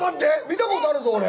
見たことあるぞ俺。